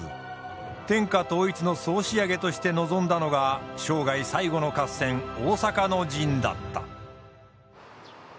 天下統一の総仕上げとして臨んだのが生涯最後の合戦大坂の陣だった！